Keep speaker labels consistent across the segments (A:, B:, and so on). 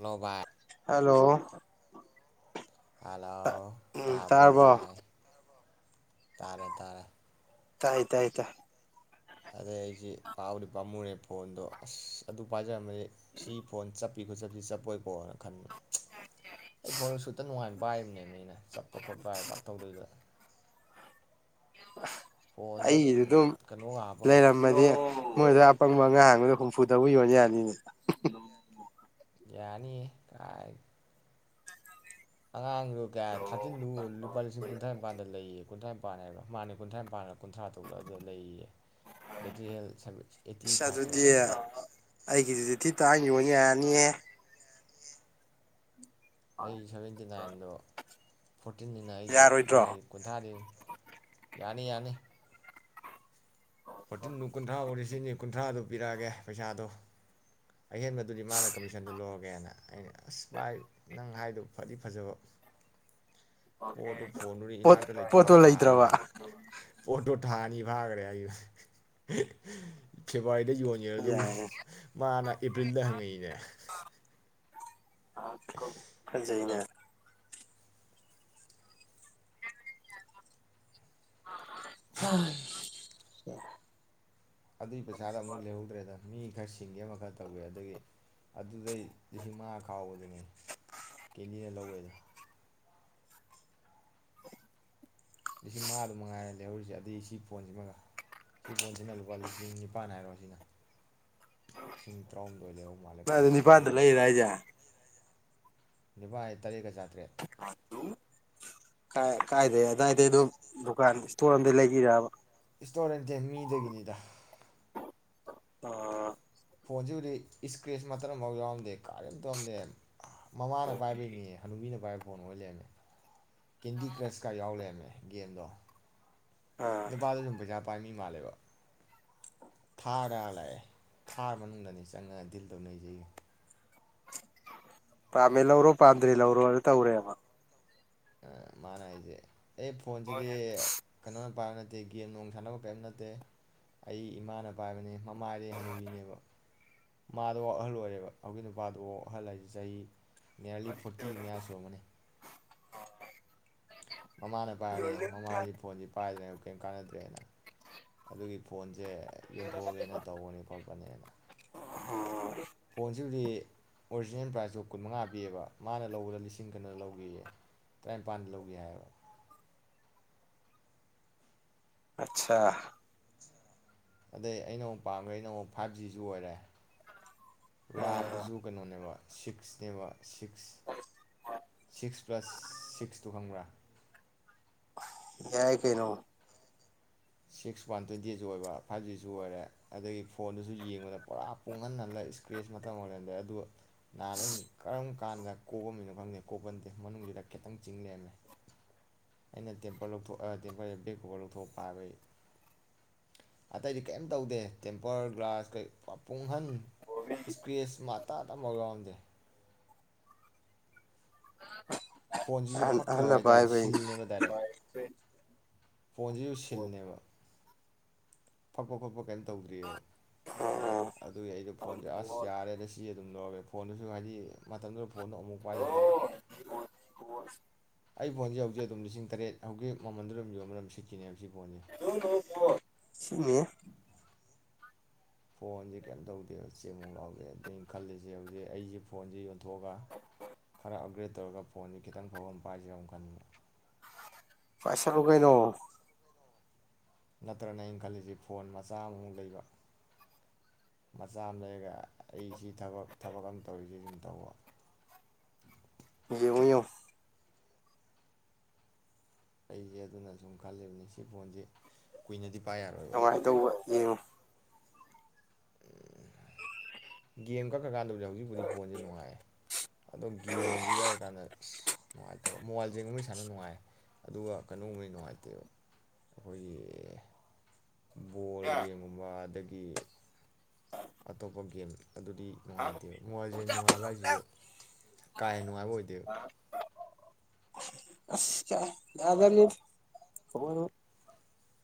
A: Hello ꯚꯥꯏ
B: hello
A: hello ꯇꯥꯕ꯭ꯔꯣ
B: ꯇꯥꯔꯕꯣ
A: ꯕꯥꯏ ꯇꯥꯔꯦ ꯇꯥꯔꯦ
B: ꯇꯥꯏ ꯇꯥꯏ ꯇꯥ
A: ꯑꯗꯩ ꯑꯩꯁꯤ ꯄꯥꯕꯗꯤ ꯄꯥꯝꯃꯨꯔꯦ ꯐꯣꯟꯗꯣ ꯑꯁ ꯑꯗꯨ ꯄꯥꯖꯔꯝꯃꯗꯤ꯫ ꯁꯤ ꯐꯣꯟ ꯆꯞ ꯆꯞꯇꯤ ꯆꯠꯄꯣꯏꯀꯣꯅ ꯈꯟꯕ ꯑꯩ ꯐꯣꯟꯗꯣ ꯁꯨꯠꯇ ꯅꯨꯡꯉꯥꯏꯅ ꯄꯥꯏꯕꯅꯦꯝꯅꯦ ꯑꯩꯅ ꯆꯞꯄ ꯈꯣꯠꯄ ꯍꯥꯏ ꯄꯥꯛꯇꯧꯗꯕꯤꯗ꯫
B: ꯑꯩꯒꯤꯗꯤ ꯑꯗꯨꯝ
A: ꯀꯩꯅꯣꯒ ꯍꯥꯞꯄꯒ
B: ꯂꯩꯔꯝꯃꯗꯤ ꯃꯣꯏꯗ ꯑꯄꯪꯕ ꯑꯉꯥꯡ [unintelligible] ꯍꯨꯝꯐꯨꯗꯕꯨ ꯌꯣꯟ ꯌꯥꯅꯤꯅꯦ꯫
A: ꯌꯥꯅꯤꯌꯦ ꯀꯥꯏ꯫ ꯑꯉꯥꯡꯗꯨ ꯀꯌꯥ ꯊ꯭ꯔꯇꯤꯟꯗꯨ ꯂꯨꯄꯥ ꯂꯤꯁꯤꯡ ꯀꯨꯟꯊ꯭ꯔꯥ ꯅꯤꯄꯥꯟꯗ ꯂꯩꯌꯦ꯫ ꯀꯨꯟꯊ꯭ꯔꯥꯅꯤꯄꯥꯟ ꯍꯥꯏꯕ꯭ꯔ ꯃꯥꯅꯦ ꯀꯨꯟꯊ꯭ꯔꯥꯅꯤꯄꯥꯟꯂ ꯀꯨꯟꯊ꯭ꯔꯥ ꯇꯔꯨꯛꯂꯗ ꯂꯩꯌꯦ ꯕꯦꯇ꯭ꯔꯤ ꯍꯦꯜ [unintelligible]
B: ꯑꯁ
A: ꯐꯥꯏꯚꯇꯣ
B: ꯑꯗꯨꯗꯤ
A: ꯑꯗꯨ
B: ꯑꯩꯒꯤꯗꯨꯗꯤ ꯊꯤ ꯇꯥꯡ ꯌꯣꯟ ꯌꯥꯅꯤ ꯑꯦ꯫
A: ꯑꯩ ꯁꯚꯦꯟꯇꯤ ꯅꯥꯏꯟꯗꯣ ꯐꯣꯔꯇꯤꯟꯅꯤꯅ ꯑꯩꯗꯣ ꯃꯥꯏ
B: ꯌꯥꯔꯣꯏꯗ꯭ꯔꯣ
A: ꯀꯨꯟꯊ꯭ꯔꯥꯗꯤ ꯌꯥꯅꯤ ꯌꯥꯅꯤ꯫ ꯐꯣꯔꯇꯤꯟꯗꯨꯨ ꯀꯨꯟꯊ꯭ꯔꯥ ꯑꯣꯏꯔꯗꯤ ꯁꯤꯠꯅꯤ ꯀꯨꯟꯊ꯭ꯔꯥꯗꯨ ꯄꯤꯔꯛꯑꯒꯦ ꯄꯩꯁꯥꯗꯨ꯫ ꯑꯍꯦꯟꯕꯗꯨꯗꯤ ꯃꯥꯅ ꯀꯃꯤꯁꯟꯗꯨ ꯂꯧꯔꯒꯦꯅ ꯑꯩꯅ ꯑꯁ ꯚꯥꯏ ꯅꯪ ꯍꯥꯏꯗꯨ ꯐꯗꯤ ꯐꯖꯕ꯫ ꯄꯣꯠꯇꯨ ꯐꯣꯟꯗꯨꯗꯤ
B: ꯄꯣꯠ
A: ꯏꯅꯥꯛꯇ ꯂꯩꯇꯕ
B: ꯄꯣꯠꯇꯣ
A: ꯊꯥ ꯑꯅꯤ
B: ꯂꯩꯇ꯭ꯔꯕ
A: ꯐꯥ- ꯄꯣꯠꯇꯣ ꯊꯥꯅꯤ ꯐꯥꯒ꯭ꯔꯦ [unintelligible] [unintelligible] ꯐꯦꯋꯥꯔꯤꯗ ꯌꯣꯟꯒ꯭ꯔꯗꯨꯕꯨ
B: ꯌꯥꯏ
A: ꯃꯥꯅ ꯑꯦꯄ꯭ꯔꯤꯜꯗ ꯍꯪꯉꯛꯏꯅꯦ꯫
B: ꯐꯖꯩꯅꯦ꯫ [unintelligible]
A: ꯑꯗꯨꯏ ꯄꯩꯁꯥꯗ ꯑꯃꯨꯛ ꯂꯩꯍꯧꯗ꯭ꯔꯦꯗ꯫ ꯃꯤ ꯈꯔ ꯁꯤꯡꯒꯤ ꯑꯃ ꯈꯔ ꯇꯧꯒꯤ ꯑꯗꯒꯤ ꯑꯗꯨꯗꯩ ꯂꯤꯁꯤꯡ ꯃꯉꯥ ꯈꯥꯎꯕꯗꯨꯅꯦ ꯀꯦꯟꯗꯤꯅ ꯂꯧꯒꯤꯗꯨ꯫
B: [inaudible]
A: ꯂꯤꯁꯤꯡ ꯃꯉꯥꯗꯨ ꯃꯉꯥꯏꯔꯦ ꯂꯩꯍꯧꯔꯤꯁꯤ ꯑꯗꯩ ꯁꯤ ꯐꯣꯟꯁꯤꯃꯒ꯫ ꯁꯤ ꯐꯣꯟꯁꯤꯅ ꯂꯨꯄꯥ ꯂꯤꯁꯤꯡ ꯅꯤꯄꯥꯟ ꯍꯥꯏꯔꯣ ꯁꯤꯅ꯫ ꯂꯤꯁꯤꯡ ꯇꯔꯥꯍꯨꯝꯗꯣꯏ ꯂꯩꯍꯧ
B: ꯅꯪ
A: ꯃꯥꯜꯂꯦꯀꯣ
B: ꯑꯗꯨ ꯅꯤꯄꯥꯟꯗ
A: ꯂꯤꯁꯤꯡ
B: ꯂꯩꯔ ꯍꯥꯏꯁꯦ
A: ꯅꯤꯄꯥ ꯍꯥꯏ ꯇꯔꯦꯠꯀ ꯆꯥ
B: [unintelligible] ꯀꯥ-ꯀꯥꯏꯗꯩ ꯑꯗꯨꯋꯥꯏꯗꯩ ꯑꯗꯨꯝ ꯗꯨꯀꯥꯟ ꯁ꯭ꯇꯣꯔ ꯑꯝꯗꯩ ꯂꯩꯒꯤꯔꯥꯕ꯫
A: ꯁ꯭ꯇꯣꯔꯗꯩꯇꯦ ꯃꯤꯗꯒꯤꯅꯤꯗ꯫
B: ꯑꯥ꯫
A: ꯐꯣꯟꯁꯤꯕꯨꯗꯤ ꯏꯁꯀ꯭ꯔꯦꯁ ꯃꯇꯠ ꯑꯝꯐꯥꯎ ꯌꯥꯎꯔꯝꯗꯦ ꯀꯥꯔꯤꯝ ꯇꯧꯝꯗꯦ꯫ ꯃꯃꯥꯅ ꯄꯥꯏꯕꯩꯅꯦ ꯍꯅꯨꯕꯤꯅ ꯄꯥꯏꯕ ꯐꯣꯟ ꯑꯣꯏ ꯂꯩꯔꯝꯃꯦ ꯀꯦꯟꯗꯤ ꯀ꯭ꯔꯁꯀ ꯌꯥꯎ ꯂꯩꯔꯝꯃꯦ ꯒꯦꯝꯗꯣ꯫
B: ꯑꯥ
A: ꯅꯄꯥꯗꯨꯁꯨꯝ ꯄꯩꯁꯥ ꯄꯥꯏ ꯃꯤ ꯍꯤꯃꯥꯜꯂꯤꯔꫭ ꯊꯥꯔꯗ ꯂꯥꯛꯑꯦ ꯊꯥꯔ ꯃꯅꯨꯡꯗꯅꯤ ꯆꯪꯉ ꯗꯤꯜ ꯇꯧꯅꯩꯖꯩ ꯑꯩꯒ
B: ꯄꯥꯝꯃꯦ ꯂꯧꯔꯣ ꯄꯥꯝꯗ꯭ꯔꯦ ꯂꯧꯔꯣꯗꫭ ꯇꯧꯔꯦꯕ
A: ꯑ ꯃꯥꯅ ꯍꯥꯏꯖꯦ ꯑꯩ ꯐꯣꯟꯁꯤꯗꯤ ꯀꯅꫭ ꯄꯥꯏꯕ ꯅꯠꯇꯦ ꯒꯦꯝ ꯅꯨꯡ ꯁꯥꯟꯅꯕ ꯀꯥꯏꯝ ꯅꯠꯇꯦ ꯑꯩ ꯏꯃꯥꯅ ꯄꯥꯏꯕꯅꯦ ꯃꯃꯥꯏꯗꯤ ꯍꯅꯨꯕꯤꯅꯦꯕ ꯃꯥꯗꯥ ꯑꯍꯜ ꯑꯣꯏꯔꯦꯕ ꯍꯧꯖꯤꯒꯤ ꯅꯨꯄꯥꯗꫭ ꯑꯍꯜꯂ ꯍꯥꯏꯖꯦ ꯆꯍꯤ ꯅꯤꯌꯥꯔꯂꯤ ꯐꯣꯔꯇꯤ ꯃꯌꯥ ꯁꯨꯔꯝꯃꯅꯤ ꯃꯃꯥꯅ ꯄꯥꯏꯔꯅꯤ ꯃꯃꯥꯗꯤ ꯐꯣꯟꯖꯤ ꯄꯥꯏꯗ꯭ꯔꯦ ꯀꯩꯝ ꯀꯥꯟꯅꯗ꯭ꯔꯦꯅ ꯑꯗꯨꯒꯤ ꯐꯣꯟꯁꯦ ꯌꯣꯟꯊꯣꯛꯑꯒꯦꯅ ꯇꯧꯕꯅꯤꯀꯣ ꯃꯅꯦꯅ
B: [unintelligible]
A: ꯐꯣꯟꯁꯤꯕꯨꯗꯤ ꯑꯣꯔꯤꯖꯤꯅꯦꯜ ꯄ꯭ꯔꯥꯏꯖꯇꯣ ꯀꯨꯟ ꯃꯉꯥ ꯄꯤꯌꯦꯕ ꯃꯥꯅ ꯂꯧꯕꯗ ꯂꯤꯁꯤꯡ ꯀꯩꯅꫭ ꯂꯧꯒꯦꯌꯦ ꯇꯔꯥꯅꯤꯄꯥꯜꯗ ꯂꯧꯒꯦ ꯍꯥꯏꯌꯦꯕ
B: ꯑꯠꯆꯥ
A: ꯑꯗꯩ ꯑꯩꯅ ꯑꯃꯨꯛ ꯄꯥꯝꯒ꯭ꯔꯤ ꯖꯤꯅ ꯑꯃꯨꯛ ꯐꯥꯏꯚ ꯖꯤꯖꯨ ꯑꯣꯏꯔꯦ ꯔꯥꯝꯗꯨꯁꯨ ꯀꯩꯅꯣꯅꯦꯕ ꯁꯤꯛꯁꯅꯦꯕ ꯁꯤꯛꯁ
B: [inaudible]
A: ꯁꯤꯛꯁ ꯄ꯭ꯂꯁ ꯁꯤꯛꯁꯇꯣ ꯈꯪꯕ꯭ꯔꯥ
B: ꯌꯥꯏ ꯀꯩꯅꯣ
A: ꯁꯤꯛꯁ ꯋꯥꯟ ꯇ꯭ꯋꯦꯟꯇꯤ ꯑꯥꯏꯠꯁꯨ ꯑꯣꯏꯕ ꯐꯥꯏꯚ ꯖꯤꯁꯨ ꯑꯣꯏꯔꯦ ꯑꯗꯒꯤ ꯐꯣꯟꯗꯨꯁꯨ ꯌꯦꯡꯕꯗ ꯄꯨꯔꯥ ꯄꯨꯡꯍꯟꯍꯜꯂꯦ ꯏꯁꯀ꯭ꯔꯦꯁ ꯃꯇꯠ ꯑꯝꯕꯨꯛ ꯂꯩꯔꯝꯗꯦ ꯑꯗꯨ ꯅꯍꯥꯟ ꯑꯩꯅ ꯀꯔꯝ ꯀꯀꯥꯟꯗ ꯀꯣꯛꯄꯝꯃꯤꯅ ꯈꯪꯗꯦ ꯀꯣꯛꯄ ꯅꯠꯇꯦ ꯃꯅꯨꯡꯁꯤꯗ ꯈꯤꯇꯪ ꯆꯤꯡ ꯂꯩꯔꯝꯃꯦ ꯑꯩꯅ ꯇꯦꯝꯄ꯭ꯔ ꯂꯧꯊꯣꯛꯑ ꯇꯦꯝꯄ꯭ꯔꯌꯩꯡꯦ ꯕꯦꯛꯀꫭꯕ꯭ꯔ ꯂꯧꯊꯣꯛꯑ ꯄꯥꯏꯕꯩ ꯑꯇꯩꯗꯤ ꯀꯔꯤꯝ ꯇꯧꯗꯦ ꯇꯦꯝꯄꯔ ꯒ꯭ꯂꯥꯁ ꯀꯩ [unintelligible] ꯑꯍꯟ ꯏꯁꯀ꯭ꯔꯦꯁ ꯃꯥꯇꯥꯠ ꯑꯝꯐꯥꯎ ꯌꯥꯎꯔꯝꯗꯦ
B: [inaudible]
A: ꯐꯣꯟꯁꯤꯁꯨ
B: ꯑꯍꯟ
A: ꯐꯛꯇ꯭ꯔꯤꯕ
B: ꯑꯍꯟꯅ
A: ꯍꯥꯏ ꯇꯥꯔꯦ
B: ꯄꯥꯏꯕꯩꯅꯤ
A: ꯁꯤꯜꯅꯦꯕ ꯗꯥꯏꯔꯦꯛ ꯐꯣꯟꯖꯤꯖꯨ ꯁꯤꯜꯅꯦꯕ ꯄꯥꯛꯄ ꯈꫭꯠꯄ ꯀꯏꯝ ꯇꯧꯗ꯭ꯔꯤꯑꯕ
B: ꯑꯣ
A: ꯑꯗꯨꯒꯤ ꯑꯩꯖꯨ ꯐꯣꯟꯖꯦ ꯑꯁ ꯌꯥꯔꯦꯗ ꯁꯤ ꯑꯗꯨꯝ ꯂꯧꯔꯒꯦ ꯐꯣꯟꯗꯨꯁꯨ ꯍꯥꯏꯗꯤ ꯃꯇꯝꯗꯨꯗ ꯐꯣꯟꯗꯣ ꯑꯃꯨꯛ ꯄꯥꯏꯗ꯭ꯔꯤꯃꯤꯅ ꯑꯩ ꯐꯣꯟꯖꯤ ꯍꯧꯖꯤꯛ ꯑꯗꯨꯝ ꯂꯤꯁꯤꯡ ꯇꯔꯦꯠ ꯍꯧꯖꯤꯛ ꯃꯃꯟꯗꯨꯗ ꯌꯣꯟꯕꯗ ꯑꯗꯨꯝ ꯁꯤꯠꯈꯤꯅꯦꯕ ꯁꯤ ꯐꯣꯟꯁꯦ
B: [inaudible] ꯁꯤꯠꯅꯦ
A: ꯐꯣꯟꯖꯦ ꯀꯩꯏꯝ ꯇꯧꯗꯦꯕ ꯆꯦꯃꯨꯛ ꯂꯥꯎꯗꯦ ꯑꯗꯩ ꯑꯩ ꯈꯜꯂꯤꯁꯦ ꯍꯧꯖꯤꯛ ꯑꯩꯖꯦ ꯐꯣꯟꯖꯦ ꯌꯣꯟꯊꯣꯛꯑꯒ ꯈꯔ ꯑꯞꯒ꯭ꯔꯦꯗ ꯇꯧꯔꯒ ꯐꯣꯟꯖꯦ ꯈꯤꯇꯪ ꯐꯥꯕ ꯑꯃ ꯄꯥꯏꯖꯤꯔ ꯑꯃꯨꯛ ꯈꯟꯕ
B: ꯄꯩꯁꯥꯜꯂꯨ ꯀꯩꯅꯣ
A: ꯅꯠꯇ꯭ꯔꯅ ꯑꯩꯅ ꯈꯜꯂꯤꯖꯤ ꯐꯣꯟ ꯃꯆꯥ ꯑꯃꯃꯨꯛ ꯂꯩꯕ ꯃꯆꯥ ꯑꯃ ꯂꯩꯔꯒ ꯑꯩ ꯁꯤ ꯊꯕꯛ ꯊꯕꯛ ꯑꯝ ꯇꯧꯔꯤꯁꯤ ꯑꯗꯨꯨꯝ ꯇꯧꯕ
B: ꯌꯦꯡꯉꯨ ꯌꯦꯡꯉꯨ
A: ꯑꯩꯁꯦ ꯑꯗꯨꯅ ꯁꯨꯝ ꯈꯜꯂꯤꯕꯅꯤ ꯁꯤ ꯐꯣꯟꯁꯦ ꯀꯨꯏꯅꯗꯤ ꯄꯥꯏ ꯌꯥꯔꯣꯏꯕ
B: ꯅꯨꯡꯉꯥꯏꯇꯧꯕ ꯌꯦꯡꯉꯨ
A: ꯒꯦꯝ ꯀꯛꯈ꯭ꯔꯀꯥꯟꯗꯕꯨꯗꯤ ꯍꯧꯖꯤꯛꯄꯨꯗꯤ ꯐꯣꯟꯁꯦ ꯅꯨꯡꯉꯥꯏ ꯑꯗꯣ ꯒꯦꯝꯁꯦ ꯌꯥꯎꯔꯀꯥꯟꯗꯁ ꯉꯥꯏꯇꯕ ꯃꯣꯕꯥꯏꯜ ꯆꯒꯨꯝꯕꯗꯤ ꯁꯥꯟꯅ ꯅꯨꯡꯉꯥꯏ ꯑꯗꯨꯒ ꯀꯩꯅꯣꯒꯨꯝꯕꯗꯤ ꯅꯨꯡꯉꯥꯏꯇꯦꯕ ꯑꯩꯈꯣꯏꯒꯤ ꯕꯣꯜꯒꯦꯝꯒꯨꯝꯕ ꯑꯗꯒꯤ ꯑꯇꯣꯞꯄ ꯒꯦꯝ ꯑꯗꯨꯗꯤ ꯅꯨꯡꯉꯥꯏꯇꯦꯕ ꯃꯣꯕꯅ ꯂꯤꯒꯦꯟ ꯅꯨꯡꯉꯥꯏꯕ ꯍꯥꯏꯁꯤꯁꯨ ꯀꯥꯏ ꯅꯨꯡꯉꯥꯏꯕ ꯑꯣꯏꯗꯦ
B: [unintelligible]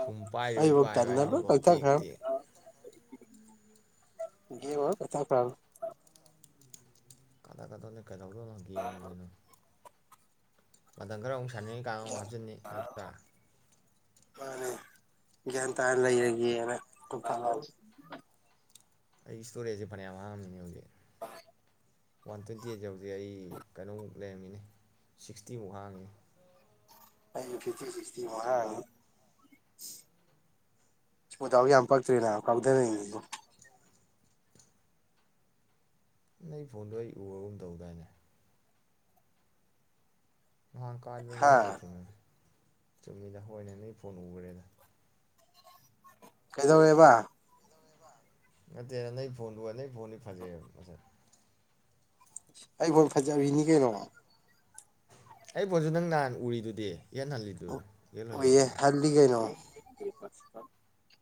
A: ꯁꯨꯝ ꯄꯥꯏꯔꯤꯕꯩ
B: ꯑꯩꯕꯨꯛ
A: ꯄꯥꯏꯕ ꯍꯥꯏꯗꯨꯅꯤꯀꯣ ꯇꯦꯛ ꯇꯦꯛ
B: ꯒꯦꯃ ꯂꯣꯏꯅ ꯀꯥꯀꯊꯠꯈꯔꯝ
A: [unintelligible] [unintelligible] [unintelligible] ꯒꯦꯝꯕꯨ ꯀꯩꯅꯣ ꯃꯊꯪ ꯈꯔꯨ ꯁꯥꯟꯅꯤꯡꯩ ꯀꯥꯅ ꯑꯃꯨꯛ
B: ꯒ꯭ꯌꯥꯟ
A: ꯍꯥꯞꯆꯤꯟꯅꯤ ꯅꯠꯇ꯭ꯔꯥ
B: ꯃꯥꯅꯦ ꯒꯌ꯭ꯥꯟ ꯇꯥꯅꯥ ꯂꯩꯔꯒꯦꯟ ꯀꯥꯀꯊꯠꯂꯕ
A: ꯑꯩ ꯏꯁꯇꯣꯔꯦꯖꯦ ꯐꯅꯌꯥꯝ ꯍꯉꯝꯅꯤ ꯍꯧꯖꯤꯛ ꯋꯥꯟ ꯇꯣꯏꯟꯠꯌ ꯑꯥꯠ ꯌꯧꯗꯤ ꯑꯩ ꯀꯩꯅꯣꯝ ꯂꯩꯔꯝꯃꯤꯅꯦ ꯁꯤꯛꯇꯤꯃꯨꯛ ꯍꯥꯡꯉꯅꯤ
B: ꯑꯩꯩꯅ ꯐꯤꯐꯇꯤ ꯁꯤꯛꯇꯤꯃꯨꯛ ꯍꯥꯏꯔꯅꯤ ꯄꯗꯥꯥꯎ ꯌꯥꯝ ꯄꯛꯇ꯭ꯔꯤꯅ ꯀꯥꯎꯊꯅꯤꯡꯉꯤꯗꯣ
A: ꯅꯪ ꯐꯣꯟꯗꯣ ꯑꯩ ꯎꯔꯒꯨꯝ ꯇꯧꯗꯥꯏꯅꯦ [unintelligible] ꯅꯡꯒ ꯑꯩꯒ
B: ꯍꯥ
A: ꯇꯦꯪꯅꯒꯔ꯭ꯦ ꯆꯨꯝꯃꯤꯗ ꯍꯣꯏꯅꯦ ꯅꯣꯏ ꯐꯣꯟ ꯎꯈ꯭ꯔꯦꯅꯦ
B: ꯀꯩꯗꯧ ꯔꯦꯕ
A: ꯅꯥꯇꯦꯅꯦ ꯅꯩ ꯗꯣꯟꯗꯨ ꯅꯩ ꯕꯣꯠꯅꯤ ꯐꯥꯖꯩ ꯃꯥꯁꯦ
B: ꯑꯩ ꯒꯣꯜ ꯐꯖꯕꯤꯅꯤ ꯀꯩꯅꯣ
A: ꯑꯩ ꯒꯣꯜꯁꯨ ꯅꯪ ꯅꯍꯥꯟ ꯎꯔꯤꯗꯨꯗꯤ ꯌꯦꯅ ꯍꯜꯂꯤꯗꯨ ꯌꯦꯂ
B: ꯑꯣꯏꯌꯦ
A: ꯍꯜꯗꯨꯅꯦ
B: ꯍꯜꯂꯤ [unintelligible]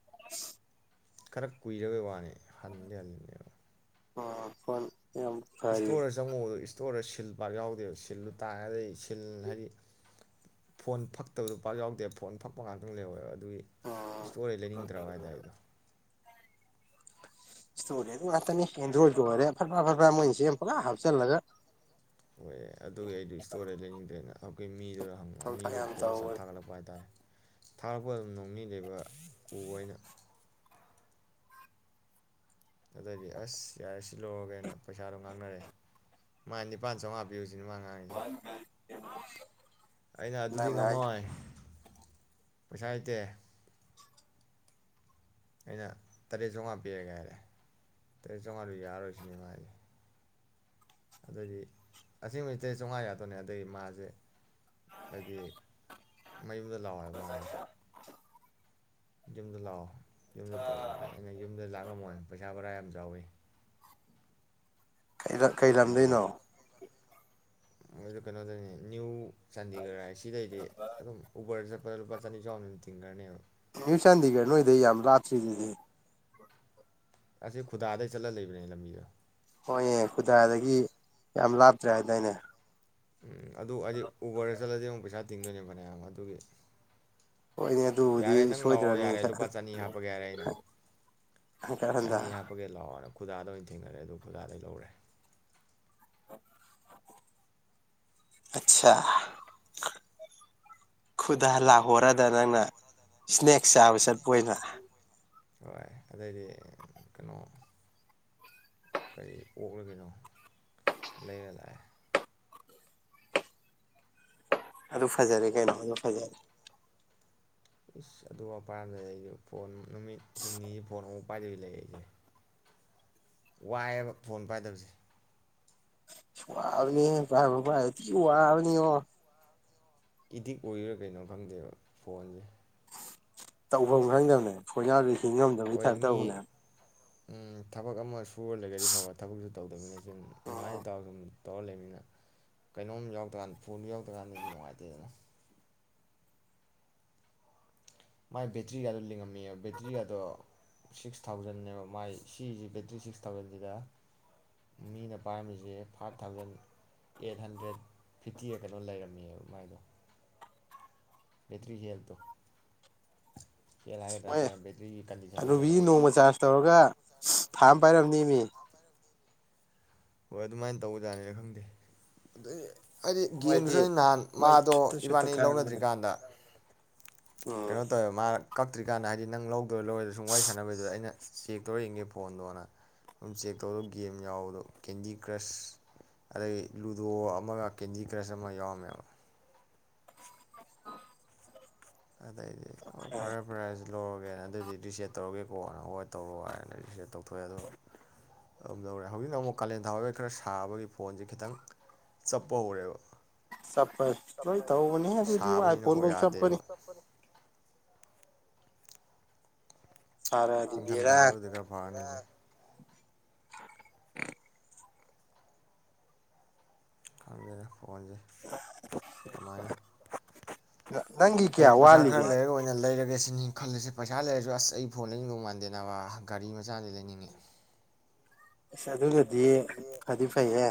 B: [inaudible]
A: ꯈꯔ ꯀꯨꯏꯔꯕꯩ ꯋꯥꯅꯤ ꯍꯟꯗꯤꯦ ꯍꯜꯂꯤꯅꯦꯕ
B: ꯑꯣ ꯐꯣꯟ ꯌꯥꯝ ꯐꯔꯤ
A: ꯏꯁꯇꯣꯔꯗ ꯆꯪꯉꯨꯕꯗꯨ ꯏꯁꯇꯣꯔꯗ ꯁꯤꯜ ꯄꯥꯛ ꯌꯥꯎꯗꯦꯕ ꯁꯤꯜꯂ ꯇꯥꯒꯗꯤ ꯁꯤꯜ ꯍꯥꯏꯗꯤ ꯐꯣꯟ ꯐꯛꯇꯕꯗꯨ ꯄꯥꯛ ꯌꯥꯎꯗꯦ ꯐꯣꯟ ꯐꯛꯄ ꯉꯥꯛꯇꯪ ꯂꯩꯋꯦꯕ ꯑꯗꯨꯒꯤ
B: ꯎꯝ
A: ꯏꯁꯇꯣꯔꯗꯩꯩ ꯂꯩꯅꯤꯡꯗ꯭ꯔꯕ ꯍꯥꯏꯗꯥꯔꯦ ꯏꯇꯥ
B: ꯏꯁꯇꯣꯔꯦ ꯉꯥꯛꯇꯅꯤ ꯑꯦꯟꯗ꯭ꯔꯣꯏꯗꯀ ꯑꯣꯏꯔꯦ ꯐꯠꯄ꯭ꯔꯥ ꯐꯠꯄ꯭ꯔꯥ ꯃꯣꯏꯅ ꯁꯦꯝꯦ ꯄꯨꯂꯥ ꯍꯥꯞꯆꯤꯜꯂꯒ
A: ꯍꯣꯏ ꯑꯗꯨꯒꯤ ꯑꯩꯗꯤ ꯏꯁꯇꯣꯔꯗꯩꯩ ꯂꯩꯅꯤꯡꯗ꯭ꯔꯦꯅ [unintelligible] ꯃꯤꯗꯨꯅ ꯍꯡꯕ
B: ꯊꯕꯛ
A: ꯃꯤꯗꯨ
B: ꯌꯥꯝ
A: ꯐꯣꯟꯗ ꯁꯠ
B: ꯇꯧꯋꯦ
A: ꯊꯥꯒꯠꯂꯛꯄ ꯍꯥꯏꯇꯥꯔꯦ ꯊꯥꯔꯛꯄ ꯑꯗꯨꯝ ꯅꯣꯡꯅꯤ ꯂꯩꯕ ꯎꯕ ꯑꯣꯏꯅ ꯑꯗꯨꯗꯤ ꯑꯁ ꯌꯥꯔꯦ ꯁꯤ ꯂꯣꯏꯔꯒꯦꯅ ꯄꯩꯁꯥꯗꯣ ꯉꯥꯡꯅꯔꯦ ꯃꯥꯥꯏ ꯅꯤꯄꯥꯥꯟ ꯆꯥꯃꯉꯥ ꯄꯤꯌꯨꯁꯤ [unintelligible]
B: [unintelligible]
A: ꯑꯩꯅ ꯑꯗꯨꯗꯤ
B: ꯅꯪꯅ
A: ꯉꯝꯃꯣꯏ ꯄꯩꯁꯥ ꯂꯩꯇꯦ ꯑꯩꯅ ꯇꯔꯦꯠ ꯆꯥꯝꯃꯉꯥ ꯄꯤꯔꯦꯒ ꯍꯥꯏꯔꯦ ꯇꯔꯦꯠ ꯆꯥꯝꯃꯉꯥꯗꯨ ꯌꯥꯔꯣꯏꯁꯤꯅꯦ ꯃꯥ ꯍꯥꯢꯁꯦ ꯑꯗꯨꯏꯗꯤ ꯑꯁꯦꯡꯕꯩꯗꯤ ꯇꯔꯦꯠ ꯆꯧꯉꯥꯗ ꯌꯥꯗꯣꯏꯅꯦ ꯑꯗꯗꯒꯤ ꯃꯥꯁꯦ ꯍꯥꯏꯗꯤ ꯃꯌꯨꯝꯗ ꯂꯥꯛꯑꯣ ꯍꯥꯏꯕ ꯃꯥ ꯍꯥꯏꯁꯦ ꯌꯨꯝꯗ ꯂꯥꯛ ꯑꯣ ꯌꯨꯝꯗ ꯇꯧꯔꯁꯤꯅꯦ ꯑꯩꯅ ꯌꯨꯝꯗ ꯂꯥꯛꯉꯝꯃꯣꯏ ꯄꯩꯁꯥ ꯕꯔꯥ ꯌꯥꯝ ꯆꯥꯎꯋꯤ
B: ꯀꯩꯗ ꯀꯩꯂꯝꯗꯩꯩꯅꯣ
A: [unintelligible] ꯀꯩꯅꯣꯗꯩꯩꯅꯦ ꯅꯌ꯭ꯨ ꯆꯥꯟꯗꯤꯒꯔ ꯍꯥꯏ ꯁꯤ ꯂꯩꯔꯤ ꯑꯗꯨꯝ ꯎꯕꯔ ꯆꯠꯄ ꯄꯗ ꯂꯨꯄꯥ ꯆꯅꯤ ꯆꯥꯎꯅꯗꯤ ꯇꯤꯡꯈꯔꯅꯤꯕ
B: ꯅꯌ꯭ꯨ ꯆꯥꯟꯗꯤꯒꯔ ꯅꯣꯏꯗꯩꯩ ꯌꯥꯝ ꯂꯥꯞꯇꯔꯤꯗꯨꯗꯤ
A: ꯑꯁꯤ ꯈꯨꯗꯥꯗꯩ ꯆꯠꯂ ꯂꯩꯕꯅꯦ ꯂꯝꯕꯤꯗꯣ
B: ꯍꯣꯏꯅꯦ ꯈꯨꯗꯥꯗꯒꯤ ꯌꯥꯝ ꯂꯥꯞꯇ꯭ꯔꯦ ꯍꯥꯏꯗꯥꯏꯅꯦ
A: ꯎꯝ ꯑꯗꯨ ꯍꯥꯏꯗꯤ ꯎꯕꯔ ꯆꯠꯂꯗꯤ ꯑꯃꯨꯛ ꯄꯩꯁꯥ ꯇꯤꯡꯗꯣꯏꯅꯦ ꯐꯅꯌꯥꯝ ꯑꯗꯨꯒꯤ
B: ꯍꯣꯏꯅꯦ ꯑꯗꯨꯕꯨꯗꯤ
A: ꯌꯥꯔꯦ ꯅꯪ ꯂꯥꯛꯑꯣ
B: ꯁꯣꯏꯗ꯭ꯔꯕꯅꯤ
A: ꯌꯥꯔꯦ ꯂꯨꯄꯥ ꯆꯅꯤ ꯍꯥꯞꯄꯒꯦ ꯌꯥꯔꯦ ꯑꯩꯅ
B: ꯍꯟꯀꯠ ꯍꯟꯗ
A: ꯆꯅꯤ ꯍꯥꯞꯄꯒꯦ ꯂꯥꯛꯑꯣꯔ ꯈꯨꯗꯥꯗ ꯑꯣꯏꯅ ꯊꯦꯡꯅꯔꯦ ꯑꯗꯨ ꯈꯨꯗꯥꯗꯩꯩ ꯂꯧꯔꯦ
B: ꯑꯁꯥ ꯈꯨꯗꯥ ꯂꯥ ꯍꯣꯔꯗ ꯅꯪꯅ ꯏꯁꯅꯦꯛ ꯆꯥꯕ ꯆꯠꯄ ꯑꯣꯏꯅ
A: ꯍꯣꯏ ꯑꯗꯨꯗꯩꯗꯤ ꯀꯩꯅꯣ ꯀꯔꯤ ꯑꯣꯛꯂ ꯀꯩꯅꯣ ꯂꯩꯔ ꯂꯥꯛꯑꯦ
B: ꯑꯗꯨ ꯐꯖꯔꯦ ꯀꯩꯅꯣ ꯑꯗꯨ ꯐꯖꯔꯦ
A: ꯏꯁ ꯑꯗꯨ [unintelligible] ꯑꯩꯁꯨ ꯐꯣꯟ ꯅꯨꯃꯤꯠ ꯍꯨꯝꯅꯤ ꯐꯣꯟ [unintelligible] ꯄꯥꯏꯗꯕꯤ ꯂꯩꯔꯦ ꯑꯩꯁꯦ ꯋꯥꯏꯑꯦꯕ ꯐꯣꯟ ꯄꯥꯏꯗꯕꯁꯦ
B: ꯋꯥꯕꯅꯤꯍꯦ [unintelligible] ꯋꯥꯕꯅꯤꯉꯣ
A: ꯏꯗꯤꯛ ꯑꯣꯏꯔꯥ ꯀꯩꯅꯣ ꯈꯪꯗꯦꯕ ꯐꯣꯟꯁꯦ
B: ꯇꯧꯐꯝ ꯈꯪꯗꯕꯅꯦ ꯐꯣꯟ ꯌꯥꯎꯗꯔ꯭ꯗꯤ ꯍꯤꯡ ꯉꯝꯗꯕꯩ ꯇꯥꯌꯦꯄ ꯇꯧꯕꯅꯦ
A: ꯎꯝ ꯊꯕꯛ ꯑꯃꯁꯨ ꯐꯕ ꯊꯕꯛꯁꯨ ꯇꯧꯗꯕꯅꯦ
B: ꯎꯝ
A: ꯅꯨꯡꯉꯥꯏꯗꯥꯎ ꯑꯗꯨꯨꯝ ꯇꯧꯔ ꯂꯩꯕꯅꯤꯅ ꯀꯩꯅꯣꯝ ꯌꯥꯎꯗ꯭ꯔꯀꯥꯟꯗ ꯐꯣꯟꯗꯨ ꯌꯥꯎꯗ꯭ꯔꯀꯥꯟꯗꯗꯤ ꯅꯨꯡꯉꯥꯏꯇꯦꯗꯅ ꯃꯥꯏ ꯕꯦꯇ꯭ꯔꯤꯒꯗꯣ ꯂꯤꯡꯉꯝꯃꯤꯑꯕ ꯕꯦꯇ꯭ꯔꯤꯒꯗꯣ ꯁꯤꯛꯁ ꯊꯥꯎꯖꯟꯅꯦꯕ ꯃꯥꯏ ꯁꯤꯁꯦ ꯕꯦꯇ꯭ꯔꯤ ꯁꯤꯛꯁ ꯊꯥꯎꯖꯟꯁꯤꯗ ꯃꯤꯅ ꯄꯥꯏꯔꯝꯃꯤꯁꯦ ꯐꯥꯏꯚ ꯊꯥꯎꯖꯟ ꯑꯦꯠ ꯍꯟꯗ꯭ꯔꯦꯠ ꯐꯤꯐꯇꯤꯒ ꯀꯩꯅꯣ ꯂꯩꯔꯝꯃꯤꯑꯕ ꯃꯥꯏꯗꯣ ꯇꯔꯤꯁꯦꯜ ꯌꯦꯂꯦ ꯇꯦ
B: ꯑꯅꯨꯕꯤ ꯅꯣꯡꯃ ꯆꯥꯔꯖ ꯇꯧꯔꯒ ꯊꯥ ꯑꯃ ꯄꯥꯏꯔꯝꯅꯦ ꯃꯤ
A: ꯍꯣꯏ ꯑꯗꯨꯃꯥꯏꯅ ꯇꯧꯕꯖꯥꯠꯅꯤꯅ ꯈꯪꯗꯦ ꯑꯗꯨꯗꯤ ꯍꯥꯏꯗꯤ
B: ꯃꯣꯏꯗꯤ
A: ꯒꯦꯝꯗꯨꯁꯨ ꯅꯍꯥꯟ
B: ꯃꯩ
A: ꯃꯥꯗꯣ
B: ꯁꯨꯠꯇ ꯁꯨꯠꯇ
A: ꯏꯕꯥꯅꯤ
B: ꯈꯥꯡꯕꯅꯦ
A: ꯂꯧꯅꯗ꯭ꯔꯤꯀꯥꯟꯗ
B: ꯎꯝ
A: ꯀꯩꯅꯣ ꯇꯧꯋꯦꯕ ꯃꯥꯅ ꯀꯛꯇ꯭ꯔꯤꯀꯥꯟꯗ ꯍꯥꯏꯗꯤ ꯅꯪ ꯂꯧꯗꯣꯏꯣ ꯂꯧꯔꯣꯏꯗ ꯁꯨꯝ ꯋꯥꯔꯤ ꯁꯥꯟꯅꯕꯩꯗꯨꯗ ꯑꯩꯅ ꯆꯦꯛ ꯇꯧꯔ ꯌꯦꯡꯒꯦ ꯐꯣꯟꯗꯣ ꯑꯅ ꯁꯨꯝ ꯆꯦꯛ ꯇꯧꯗꯣ ꯒꯦꯝ ꯌꯥꯎꯕꯗꯣ ꯀꯦꯟꯗꯤ ꯀ꯭ꯔꯁ ꯑꯗꯗꯒꯤ ꯂꯨꯗꯣ ꯑꯃꯒ ꯀꯦꯟꯗꯤ ꯀ꯭ꯔꯁ ꯑꯃ ꯌꯥꯎꯔꯝꯃꯦꯕ ꯑꯗꯩꯗꯤ ꯑꯣ ꯐꯔꯦ ꯐꯔꯦ ꯂꯧꯔꯒꯦꯅ ꯑꯗꯨꯗꯤ ꯔꯤꯁꯦꯠ ꯇꯧꯔꯒꯦꯀꯣꯅ ꯍꯣꯏ ꯇꯧꯔ ꯍꯥꯏꯅ ꯔꯤꯁꯦꯠ ꯇꯧꯊꯣꯛꯑꯦ ꯑꯗꯣ ꯑꯗꯨꯝ ꯂꯧꯔꯦ ꯍꯧꯖꯤꯛꯅ ꯑꯃꯨꯛ ꯀꯥꯂꯦꯟ ꯊꯥꯋꯥꯈꯩ ꯈꯔ ꯁꯥꯕꯒꯤ ꯐꯣꯟꯁꯦ ꯈꯤꯇꯪ ꯆꯞꯄ ꯍꯧꯔꯦꯕ
B: ꯆꯠꯄ ꯂꯣꯏ ꯇꯧꯕꯅꯦ ꯑꯗꯨꯗꯤ ꯑꯥꯏꯐꯣꯟ
A: ꯁꯥꯕꯅꯤꯅꯀꯣ
B: ꯐꯧ ꯆꯠꯄꯅꯤ
A: ꯌꯥꯗꯦꯕ
B: ꯁꯥꯔꯛꯑꯗꯤ ꯕꯦꯔꯥ
A: [unintelligible] ꯑꯣꯏꯗꯒ ꯐꯅꯤ
B: ꯎꯝ
A: ꯈꯪꯒꯦꯗ ꯐꯣꯟꯁꯦ ꯀꯃꯥꯏꯅꯣ
B: ꯅꯪꯒꯤ ꯀꯌꯥ
A: ꯍꯌꯦꯡ ꯄꯩꯁꯥ
B: ꯋꯥꯠꯂꯤꯒꯦ
A: ꯈꯔ ꯂꯩꯔꯒ ꯑꯣꯏꯅ ꯂꯩꯔꯒꯦ ꯁꯤꯅꯤ ꯈꯜꯂꯁꯦ ꯄꯩꯁꯥ ꯂꯩꯔꯁꯨ ꯑꯁ ꯑꯩ ꯐꯣꯟꯗ ꯌꯦꯗꯧ ꯃꯥꯟꯗꯦꯅꯕ ꯒꯥꯔꯤ ꯃꯆꯥꯗꯤ ꯂꯩꯅꯤꯡꯉꯦ
B: ꯑꯁ ꯑꯗꯨꯒꯗꯤ ꯐꯗꯤ ꯐꯩꯌꯦ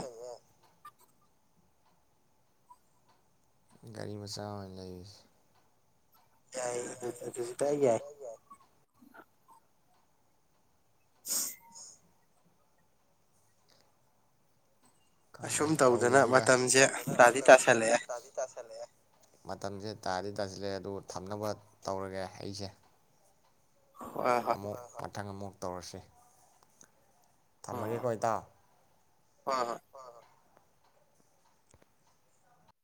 A: ꯒꯥꯔꯤ ꯃꯆꯥ ꯑꯃ ꯂꯩꯔꯤꯨꯁꯦ
B: ꯌꯥ ꯑꯗꯨ ꯑꯗꯨ ꯆꯇꯥꯏ ꯌꯥꯏ ꯁꯤꯁ
A: ꯈꯪꯗꯦ
B: ꯑꯁꯨꯝ ꯇꯧꯗꯅ
A: ꯇꯧꯔꯤꯁ ꯚꯥꯏ ꯁꯨꯝ
B: ꯃꯇꯝꯁꯦ
A: ꯇꯧꯗꯅ
B: ꯇꯥꯗꯤ
A: ꯃꯇꯝꯁꯦ
B: ꯇꯥꯁꯜꯂꯛꯑꯦ
A: ꯗꯥꯕꯤ ꯇꯥꯁꯜꯂꯛꯑꯦ ꯃꯇꯝꯁꯦ ꯇꯥꯗꯤ ꯇꯥꯁꯤꯜꯂꯦ ꯑꯗꯨ ꯊꯝꯅꯕ ꯇꯧꯔꯒꯦ ꯑꯩꯁꯦ
B: ꯍꯣꯏ ꯍꯣꯏ
A: ꯑꯃ ꯃꯊꯪ ꯑꯃꯨꯛ ꯇꯧꯔꯁꯤ
B: ꯎꯝ
A: ꯊꯝꯃꯒꯦ ꯀꯣ ꯏꯇꯥꯥꯎ
B: ꯍꯣꯏ ꯍꯣꯏ